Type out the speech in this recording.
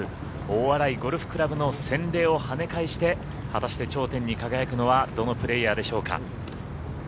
・大洗ゴルフ倶楽部の洗礼をはね返して果たして頂点に輝くのはどのプレーヤーでしょうか。